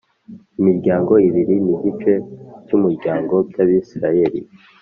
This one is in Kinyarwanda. Imiryango ibiri n igice cy umuryango by Abisirayeli